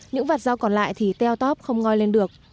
những vạt rau còn lại thì teo tóp không ngòi lên được